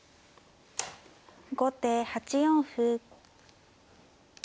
後手８四歩。